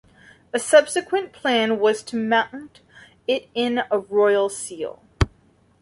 A subsequent plan was to mount it in a royal seal.